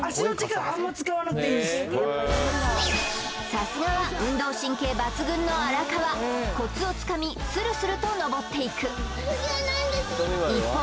さすがは運動神経抜群の荒川コツをつかみするすると登っていく一方